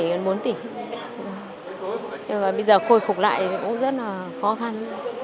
nhưng mà bây giờ khôi phục lại cũng rất là khó khăn